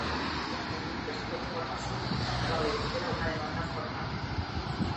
Las audiencias pro forma se utilizan para obedecer a una demanda formal.